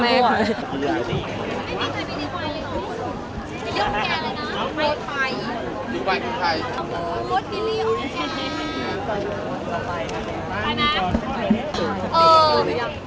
หันมาหันมามาก่อน